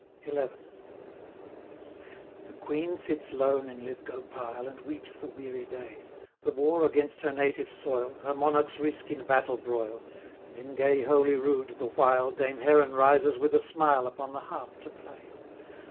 XI. The Queen sits lone in Lithgow pile, And weeps the weary day, 290 The war against her native soil, Her monarch's risk in battle broil: And in gay Holy Rood, the while, Dame Heron rises with a smile Upon the harp to play.